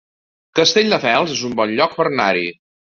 Castelldefels es un bon lloc per anar-hi